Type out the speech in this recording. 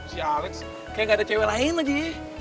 si alex kayak gak ada cewek lain lagi